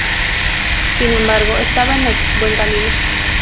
Sin embargo, estaba en el buen camino.